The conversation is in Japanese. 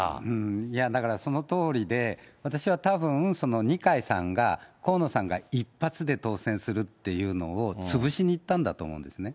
いやだから、そのとおりで、私はたぶん、二階さんが河野さんが一発で当選するというのを潰しにいったんだと思うんですね。